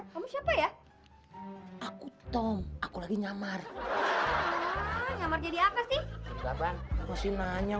kamu siapa ya aku tom aku lagi nyamar nyamar jadi apa sih nanya